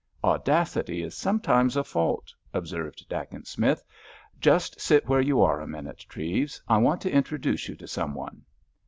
"Audacity is sometimes a fault!" observed Dacent Smith. "Just sit where you are a minute, Treves; I want to introduce you to some one."